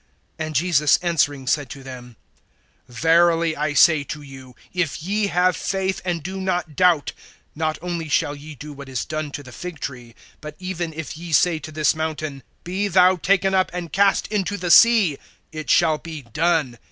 (21)And Jesus answering said to them: Verily I say to you, if ye have faith, and do not doubt, not only shall ye do what is done to the fig tree, but even if ye say to this mountain, be thou taken up and cast into the sea, it shall be done.